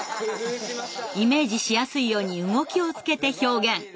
イメージしやすいように動きをつけて表現。